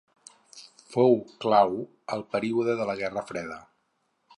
Fou clau al període de la Guerra freda.